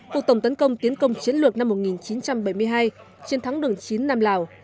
cuộc tổng tấn công tiến công chiến lược năm một nghìn chín trăm bảy mươi hai chiến thắng đường chín nam lào